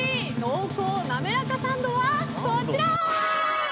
濃厚なめらかサンドは、こちら！